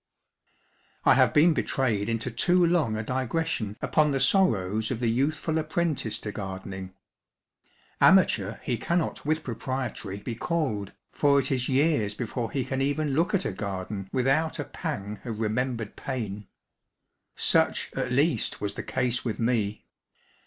I have been betrayed into too long a digression upon the sorrows of the youthful apprentice to gardening. Amateur he cannot with propriety be called, for it is years before he can even look at a garden without a pang of remembered pain. Such, at least, was the case with me.